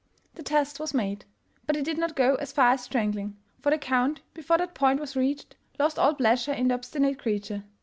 The test was made ; but it did not go as far as strangling, for the Count, before that point was reached, lost all pleas ure in the obstinate creature.